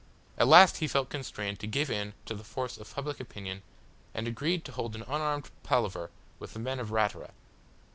At last he felt constrained to give in to the force of public opinion and agreed to hold an unarmed palaver with the men of Ratura.